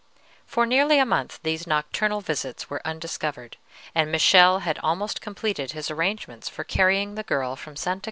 For nearly a month these nocturnal visits were undiscovered, and Michele had almost completed his arrangements for carrying the girl from Sta.